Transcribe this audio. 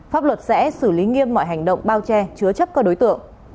pháp luật sẽ xử lý nghiêm mọi hành động bao che chứa chấp các đối tượng